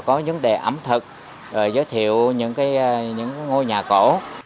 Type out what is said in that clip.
có vấn đề ẩm thực giới thiệu những ngôi nhà cổ